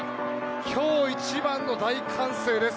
今日一番の大歓声です。